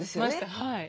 はい。